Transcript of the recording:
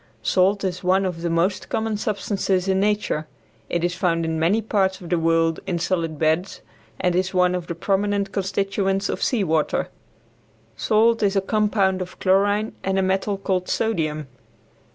Salt is one of the most common substances in nature. It is found in many parts of the world in solid beds, and is one of the prominent constituents of sea water. Salt is a compound of chlorine and a metal called sodium.